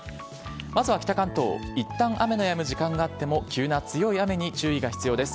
まずは北関東、いったん雨のやむ時間があっても、急な強い雨に注意が必要です。